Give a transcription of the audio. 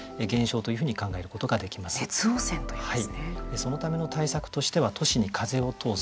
そのための対策としては都市に風を通す。